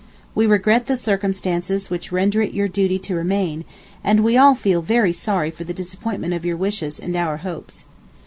We regret the circumstances which render it your duty to remain, and we all feel very sorry for the disappointment of your wishes and our hopes.